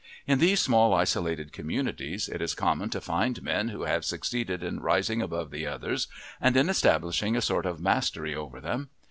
In these small isolated communities it is common to find men who have succeeded in rising above the others and in establishing a sort of mastery over them.